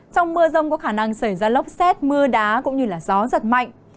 trong mưa rông có khả năng xảy ra lốc xét mưa đá cũng như gió giật mạnh